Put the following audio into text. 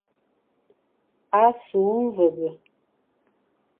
A su mvebe.